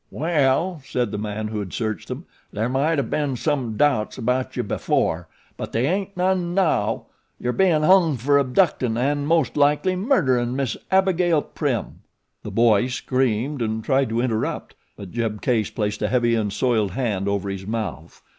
"Well," said the man who had searched them. "There might o' been some doubts about you before, but they aint none now. You're bein' hung fer abductin' of an' most likely murderin' Miss Abigail Prim." The boy screamed and tried to interrupt; but Jeb Case placed a heavy and soiled hand over his mouth.